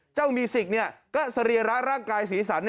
เจ้ามิวสิกเนี้ยก็เสรียร้ายร่างกายสีสันเนี้ย